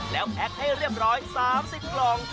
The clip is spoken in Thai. แล้วแพ็คให้เรียบร้อย๓๐กล่อง